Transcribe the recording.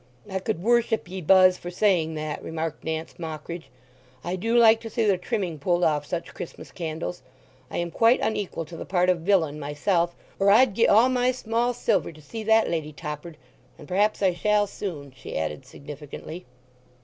"I could worship ye, Buzz, for saying that," remarked Nance Mockridge. "I do like to see the trimming pulled off such Christmas candles. I am quite unequal to the part of villain myself, or I'd gi'e all my small silver to see that lady toppered.... And perhaps I shall soon," she added significantly.